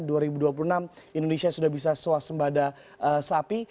di dua ribu dua puluh enam indonesia sudah bisa swasembada sapi